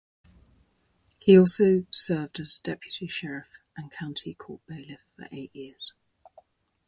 He also served as deputy sheriff and county court bailiff for eight years.